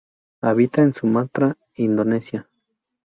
Habita en Sumatra Indonesia.